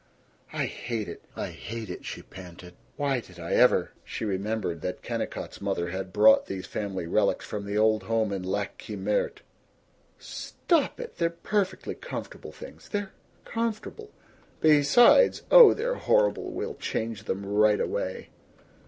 "I hate it! I hate it!" she panted. "Why did I ever " She remembered that Kennicott's mother had brought these family relics from the old home in Lac qui Meurt. "Stop it! They're perfectly comfortable things. They're comfortable. Besides Oh, they're horrible! We'll change them, right away."